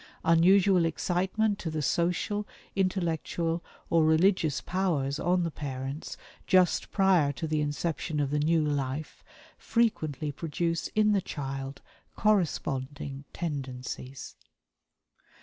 Unusual excitement to the social, intellectual or religious powers on the parents just prior to the inception of the new life frequently produce in the child corresponding tendencies."